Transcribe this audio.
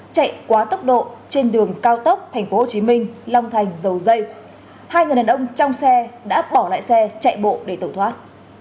chạy quá tốc độ trên đường cao tốc thành phố hồ chí minh long thành dầu dây hai người đàn ông trong xe đã bỏ lại xe chạy bộ để tẩu thoát